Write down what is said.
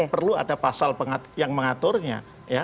perlu ada pasal yang mengaturnya